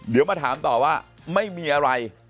เดี๋ยวมาถามต่อว่าไม่มีอะไร